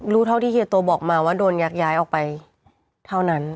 เท่าที่เฮียโตบอกมาว่าโดนยักย้ายออกไปเท่านั้น